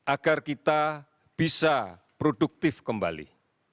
agar kita bisa produktif kembali